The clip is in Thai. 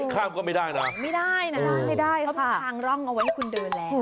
ข้ามก็ไม่ได้นะไม่ได้นะไม่ได้เขามีทางร่องเอาไว้ให้คุณเดินแล้ว